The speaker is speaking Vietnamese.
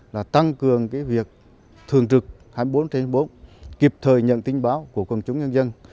là tăng cường việc thường trực hai mươi bốn trên hai mươi bốn kịp thời nhận tin báo của quân chúng nhân dân